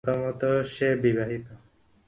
উম, প্রথমত সে বিবাহিত।